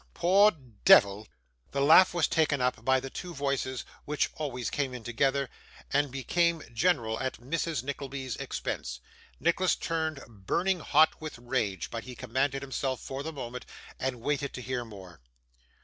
Poor deyvle!' The laugh was taken up by the two voices which always came in together, and became general at Mrs. Nickleby's expense. Nicholas turned burning hot with rage, but he commanded himself for the moment, and waited to hear more.